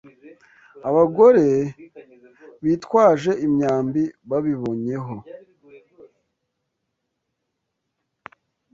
abagore bitwaje imyambi babibonyeho